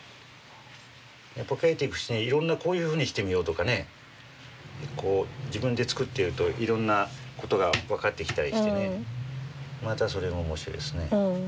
やっぱ描いてくうちにいろんなこういうふうにしてみようとかねこう自分で作ってるといろんな事が分かってきたりしてまたそれも面白いですね。